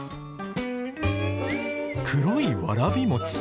黒いわらび餅。